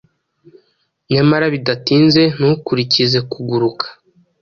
nyamara bidatinze ntukurikize kuguruka